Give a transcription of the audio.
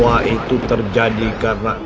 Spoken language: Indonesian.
akanku terbakarcrire kepada ruang kayu